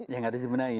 yang harus dibenahi